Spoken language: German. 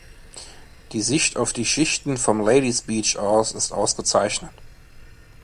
Die Sicht auf die Schichten vom Ladies Beach aus ist ausgezeichnet.